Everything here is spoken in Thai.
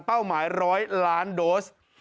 เป้าหมาย๑๐๐ล้านโดส